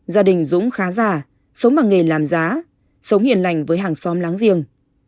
gia đình dũng khá già sống bằng nghề làm giá sống hiền lành với hàng xóm láng giềng